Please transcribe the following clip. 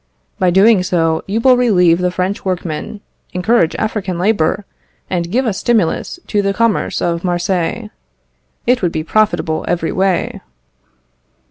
By so doing, you will relieve the French workman, encourage African labour, and give a stimulus to the commerce of Marseilles. It would be profitable every way."